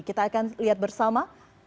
kita akan lihat bersama